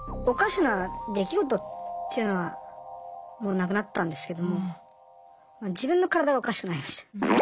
おかしな出来事っていうのはもうなくなったんですけども自分の体がおかしくなりました。